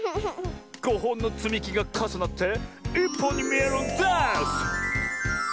５ほんのつみきがかさなって１ぽんにみえるんです！